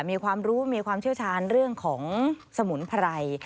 มีความรู้มีความเชี่ยวชาญเรื่องของสมุนไพร